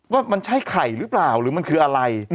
ว่ามันใช่ไข่หรือเปล่าหรือมันคืออะไร